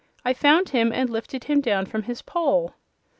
"I found him, and lifted him down from his pole."